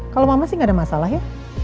kalau mama sih nggak ada masalah ya